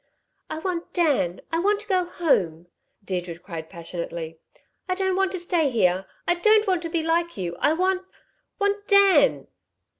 "I want Dan! I want to go home," Deirdre cried passionately. "I don't want to stay here. I don't want to be like you! I want want Dan."